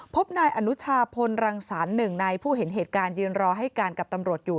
พบนายอนุชาพลรังสรรคหนึ่งในผู้เห็นเหตุการณ์ยืนรอให้การกับตำรวจอยู่